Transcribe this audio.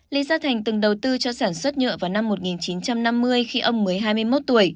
lý gia thành từng đầu tư cho sản xuất nhựa vào năm một nghìn chín trăm năm mươi khi ông mới hai mươi một tuổi